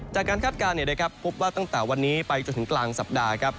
คาดการณ์พบว่าตั้งแต่วันนี้ไปจนถึงกลางสัปดาห์ครับ